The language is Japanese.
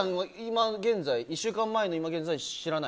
１週間前の今現在、知らない？